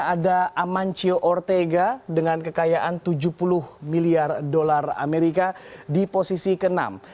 ada amancio ortega dengan kekayaan tujuh puluh miliar dolar amerika di posisi ke enam